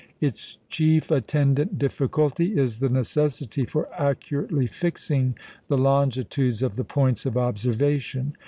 Its chief attendant difficulty is the necessity for accurately fixing the longitudes of the points of observation.